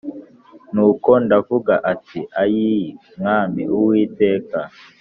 Nuko ndavuga nti “Ayii Mwami Uwiteka